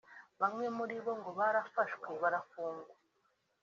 Bamwe muri bo ngo barafashwe barafungwa